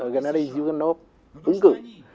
gennady zyuganov ứng cử